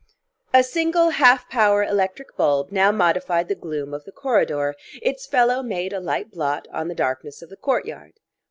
A single half power electric bulb now modified the gloom of the corridor; its fellow made a light blot on the darkness of the courtyard.